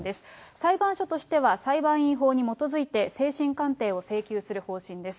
裁判所としては、裁判員法に基づいて、精神鑑定を請求する方針です。